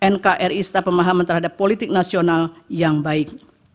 nkri serta pemahaman terhadap politik nasional yang baik